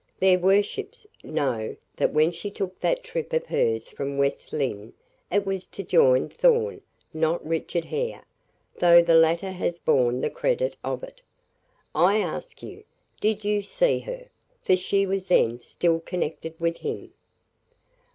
"Their worships know that when she took that trip of hers from West Lynne it was to join Thorn not Richard Hare though the latter has borne the credit of it. I ask you, did you see her? for she was then still connected with him."